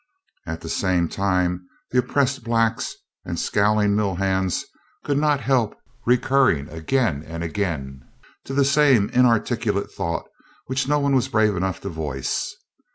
At the same time the oppressed blacks and scowling mill hands could not help recurring again and again to the same inarticulate thought which no one was brave enough to voice.